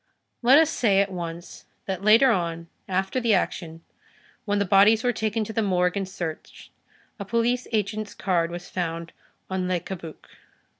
Let us say at once that later on, after the action, when the bodies were taken to the morgue and searched, a police agent's card was found on Le Cabuc.